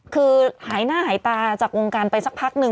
คือหายหน้าหายตาจากวงการไปสักพักหนึ่ง